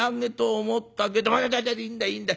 「おいいいんだいいんだ。